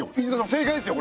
正解ですよ！